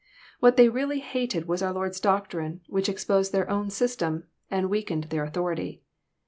What they really hated was our Lord's doctrine, which exposed their own sys tem, and weakened their authority.